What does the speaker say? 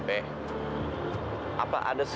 del dalam perhatian saya